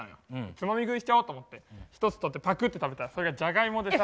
つまみ食いしちゃおうと思って一つ取ってパクッて食べたらそれがじゃがいもでさ。